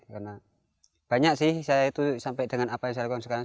karena banyak sih saya itu sampai dengan apa yang saya lakukan sekarang